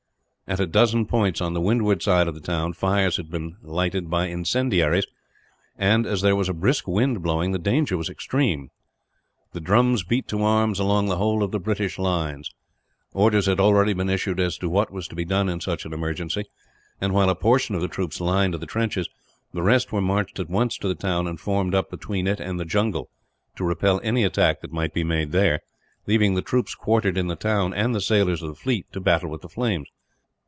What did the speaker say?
At a dozen points, on the windward side of the town, fires had been lighted by incendiaries and, as there was a brisk wind blowing, the danger was extreme. The drums beat to arms along the whole of the British lines. Orders had already been issued as to what was to be done in such an emergency and, while a portion of the troops lined the trenches, the rest were marched at once to the town, and formed up between it and the jungle, to repel any attack that might be made there; leaving the troops quartered in the town, and the sailors of the fleet to battle with the flames.